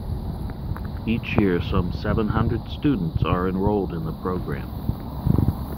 Each year some seven hundred students are enrolled in the programme.